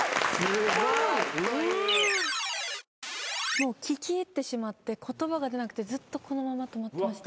もう聞き入ってしまって言葉が出なくてずっとこのまま止まってました。